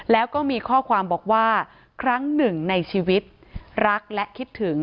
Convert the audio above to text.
แล้วก็มีข้อความบอกว่าครั้งหนึ่งในชีวิตรักและคิดถึง